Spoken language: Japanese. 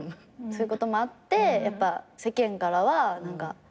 そういうこともあってやっぱ世間からは「変わってる」とか。